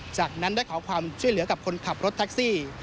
จากนั้นได้ขอความช่วยเหลือกับคนขับรถแท็กซี่